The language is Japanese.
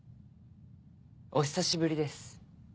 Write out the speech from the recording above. お久しぶりです